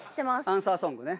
アンサーソングね。